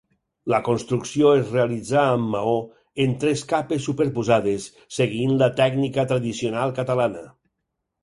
La construcció es realitzà amb maó, en tres capes superposades, seguint la tècnica tradicional catalana.